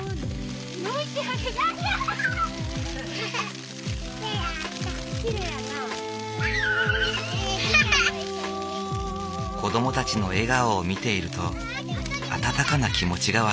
子どもたちの笑顔を見ていると温かな気持ちが湧き上がってくる。